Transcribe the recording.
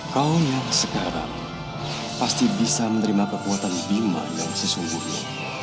kaunya sekarang pasti bisa menerima kekuatan bima yang sesungguhnya